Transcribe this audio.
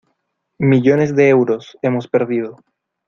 Millones de euros, hemos perdido.